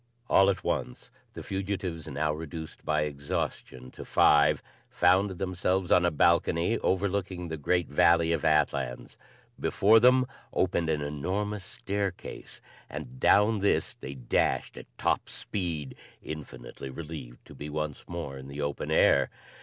All at once the fugitives, now reduced by exhaustion to five, found themselves on a balcony overlooking the great valley of Atlans. Before them opened an enormous staircase and down this they dashed at top speed, infinitely relieved to be once more in the open air.